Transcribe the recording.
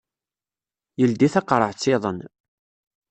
Yeldi taqerɛet-iḍen.